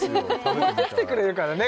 持ってきてくれるからね